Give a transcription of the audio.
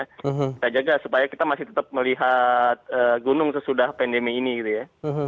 kita jaga supaya kita masih tetap melihat gunung sesudah pandemi ini gitu ya